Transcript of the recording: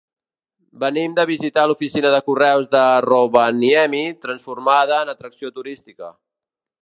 Venim de visitar l'oficina de correus de Rovaniemi, transformada en atracció turística.